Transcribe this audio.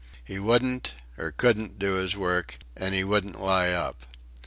He wouldn't, or couldn't, do his work and he wouldn't lie up.